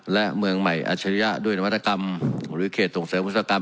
และเมืองใหม่อัชริยะด้วยนวัตกรรมหรือเขตส่งเสริมอุตสาหกรรม